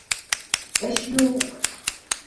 Эш юҡ!